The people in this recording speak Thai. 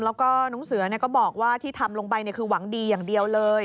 แล้วก็น้องเสือก็บอกว่าที่ทำลงไปคือหวังดีอย่างเดียวเลย